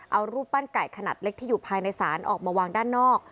เอารูปปั้นไก่ขนาดเล็กที่อยู่ภายในศาลออกมาวางด้านนอก